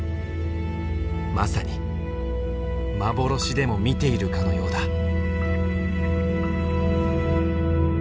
まさに幻でも見ているかのようだ。